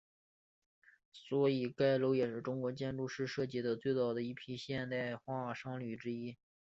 所以该楼也是中国建筑师设计的最早的一批现代化商厦之一。